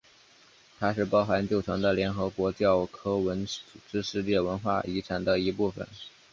它是包含旧城的联合国教科文组织世界文化遗产的一部分。